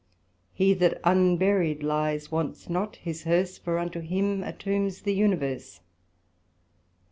He that unburied lies wants not his Herse, For unto him a Tomb's the Universe.